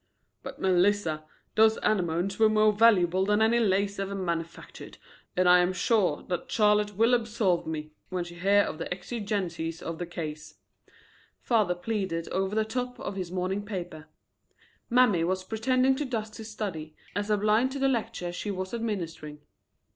"But, Melissa, those anemones were more valuable than any lace ever manufactured, and I am sure that Charlotte will absolve me when she hears of the exigencies of the case," father pleaded over the top of his morning paper. Mammy was pretending to dust his study, as a blind to the lecture she was administering.